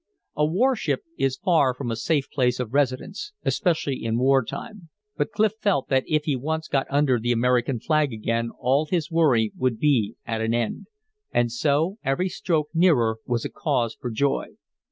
A warship is far from a safe place of residence, especially in war time. But Clif felt that if he once got under the American flag again all his worry would be at an end. And so every stroke nearer was a cause for joy.